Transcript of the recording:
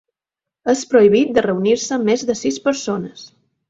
És prohibit de reunir-se més de sis persones.